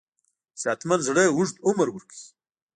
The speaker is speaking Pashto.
صحتمند زړه اوږد عمر ورکوي.